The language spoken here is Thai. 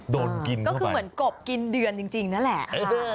โดนกินก็คือเหมือนกบกินเดือนจริงนั่นแหละ